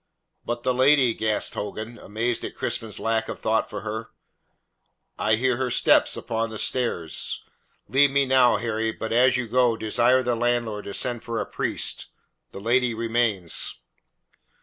"But the lady?" gasped Hogan, amazed at Crispin's lack of thought for her. "I hear her step upon the stairs. Leave me now, Harry, but as you go, desire the landlord to send for a priest. The lady remains."